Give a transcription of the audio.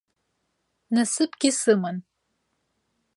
Насыԥгьы сыман!